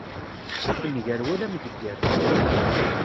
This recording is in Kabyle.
Ttif nnger wala amdegger.